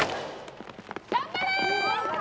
頑張れ！